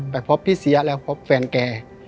พบพี่เสียแล้วพบแฟนแก